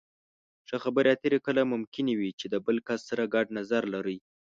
ښه خبرې اترې کله ممکنې وي چې د بل کس سره ګډ نظر لرئ.